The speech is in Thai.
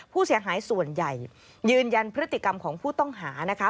ผู้เสียหายส่วนใหญ่ยืนยันพฤติกรรมของผู้ต้องหานะคะ